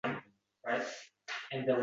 Borib kelmaymizmi deyaverardi u.